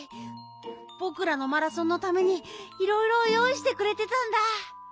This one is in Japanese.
ぼくらのマラソンのためにいろいろよういしてくれてたんだ！